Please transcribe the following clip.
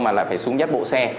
mà lại phải xuống giác bộ xe